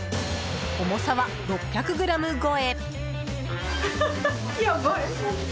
重さは６００ｇ超え！